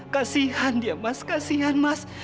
kasihan dia mas kasihan mas